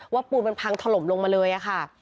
ปูนมันพังถล่มลงมาเลยค่ะ